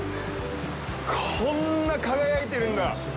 こんな輝いてるんだ。